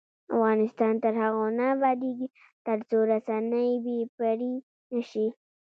افغانستان تر هغو نه ابادیږي، ترڅو رسنۍ بې پرې نشي.